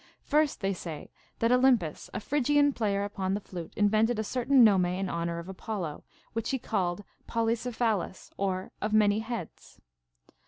First they say. that Olympus, a Phrygian player upon tlie flute, invented a certain nome in honor of Apollo, which he called Poly cephalus,* or of many heads.